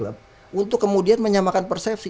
untuk kemudian menyamakan persepsi